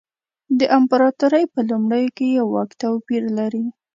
د امپراتورۍ په لومړیو کې یې واک توپیر لري.